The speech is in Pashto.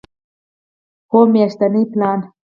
هو، میاشتنی پلان